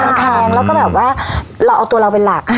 มันแพงแล้วก็เอาตัวเรามันเป็นหลัก